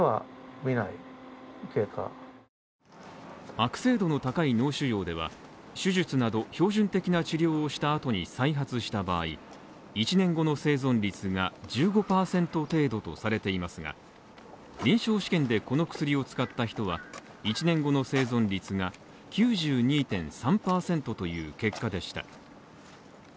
悪性度の高い脳腫瘍では、手術など標準的な治療をした後に再発した場合、１年後の生存率が１５％程度とされていますが、臨床試験でこの薬を使った人が１年後の生存率が９２．３％という結果でした。